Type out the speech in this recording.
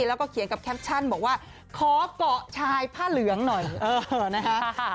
แล้วก็เขียนกับแคปชั่นบอกว่าขอเกาะชายผ้าเหลืองหน่อยเออนะคะ